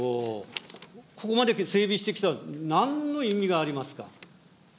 ここまで整備してきた、なんの意味がありますか。